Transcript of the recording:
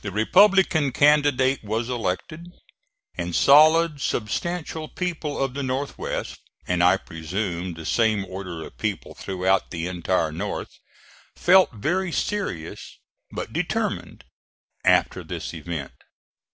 The Republican candidate was elected, and solid substantial people of the North west, and I presume the same order of people throughout the entire North, felt very serious, but determined, after this event.